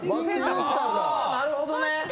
なるほどね。